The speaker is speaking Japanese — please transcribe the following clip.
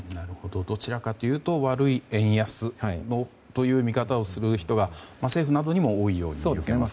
どちらかというと悪い円安という見方をする人が政府などにも多いように見受けられますけれども。